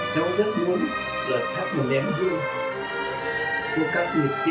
cháu rất muốn là các bọn em thương cho các nguyện sĩ